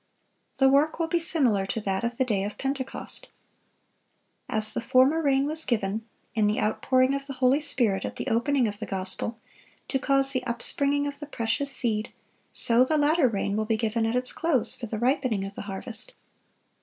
The work will be similar to that of the day of Pentecost. As the "former rain" was given, in the outpouring of the Holy Spirit at the opening of the gospel, to cause the upspringing of the precious seed, so the "latter rain" will be given at its close, for the ripening of the harvest.